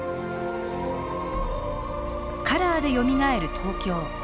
「カラーでよみがえる東京」。